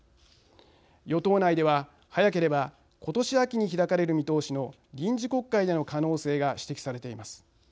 与党内では早ければ今年秋に開かれる見通しの臨時国会での可能性が指摘されています。